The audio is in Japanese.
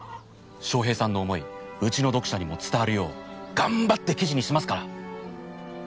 将兵さんの思いうちの読者にも伝わるよう頑張って記事にしますから。